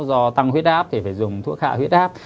do tăng huyết áp thì phải dùng thuốc hạ huyết áp